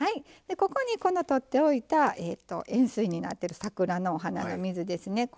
ここにこの取っておいた塩水になってる桜のお花の水ですね